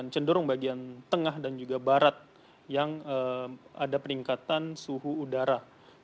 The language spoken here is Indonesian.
cenderung bagian tengah dan juga barat yang ada peningkatan suhu udara